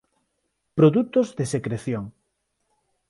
Produtos de secreción.